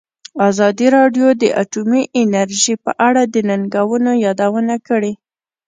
ازادي راډیو د اټومي انرژي په اړه د ننګونو یادونه کړې.